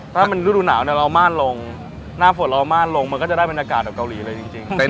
ถ้ามันฤดูหนาวเนี่ยเราม่านลงหน้าฝนเราม่านลงมันก็จะได้บรรยากาศแบบเกาหลีเลยจริง